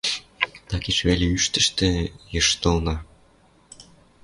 Такеш веле ӱштӹштӹ йыштылда